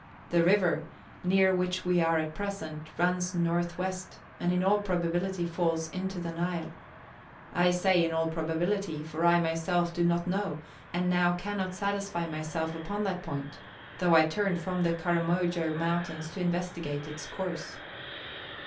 The river, near which we are at present, runs northwest, and in all probability falls into the Nile. I say in all probability, for I myself do not know and now cannot satisfy myself upon that point, though I turned from the Karamojo Mountains to investigate its source.